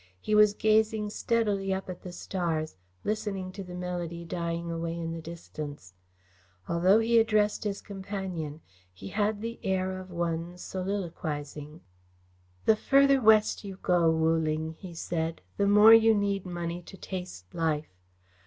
He was gazing steadily up at the stars, listening to the melody dying away in the distance. Although he addressed his companion, he had the air of one soliloquising. "The further West you go, Wu Ling," he said, "the more you need money to taste life.